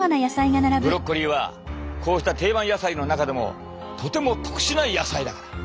ブロッコリーはこうした定番野菜の中でもとても特殊な野菜だから。